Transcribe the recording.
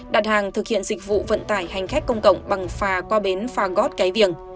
đặt hàng thực hiện dịch vụ vận tải hành khách công cộng bằng phà qua bến phà gót cái viềng